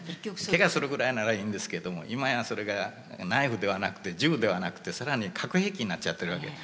ケガするぐらいならいいんですけども今やそれがナイフではなくて銃ではなくて更に核兵器になっちゃってるわけで。